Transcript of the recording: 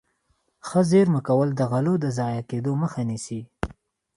ښه زيرمه کول د غلو د ضايع کېدو مخه نيسي.